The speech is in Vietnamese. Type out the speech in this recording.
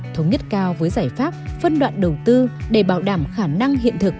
thống nhất cao với giải pháp phân đoạn đầu tư để bảo đảm khả năng hiện thực